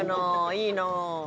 いいな。